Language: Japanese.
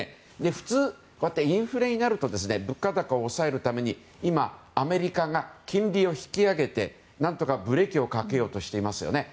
普通、インフレになると物価高を抑えるために今、アメリカが金利を引き上げて何とかブレーキをかけようとしていますよね。